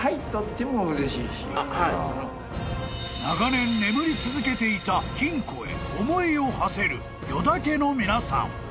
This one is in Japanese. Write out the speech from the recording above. ［長年眠り続けていた金庫へ思いをはせる與田家の皆さん］